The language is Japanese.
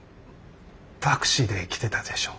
タクシーで来てたでしょ？